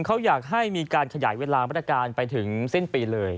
เขาอยากให้มีการขยายเวลามาตรการไปถึงสิ้นปีเลย